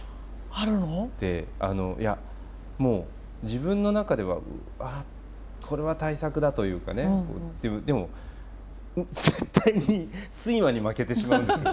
あのいやもう自分の中では「あっこれは大作だ」というかねでも絶対に睡魔に負けてしまうんですよ。